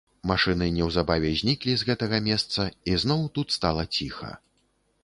Машыны неўзабаве зніклі з гэтага месца, і зноў тут стала ціха.